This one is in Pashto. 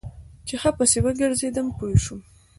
چې ښه پسې وګرځېدم پوه سوم.